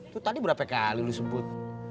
tuh tadi berapa kali lu sebut